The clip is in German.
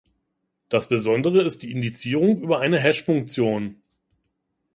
Das besondere ist die Indizierung über eine Hashfunktion.